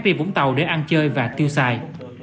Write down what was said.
về vũng tàu để ăn chơi và tiêu xài